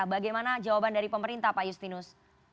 bagaimana jawaban dari pemerintah pak justinus